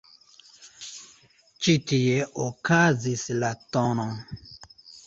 Ĉi tie okazis la tn.